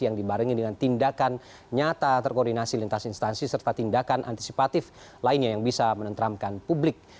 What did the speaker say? yang dibarengi dengan tindakan nyata terkoordinasi lintas instansi serta tindakan antisipatif lainnya yang bisa menenteramkan publik